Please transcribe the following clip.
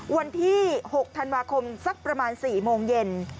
วันที่๖ธันวาคมสักประมาณ๔โมงเย็น